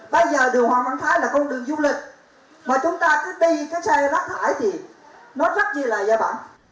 bây giờ đường hoàng bản thái là con đường du lịch mà chúng ta cứ đi cái xe rác thải thì nó rắc như là gia bản